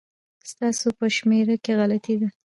ستاسو په شمېره کي غلطي ده